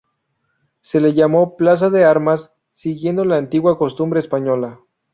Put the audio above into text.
Se le llamó "Plaza de Armas", siguiendo la antigua costumbre española.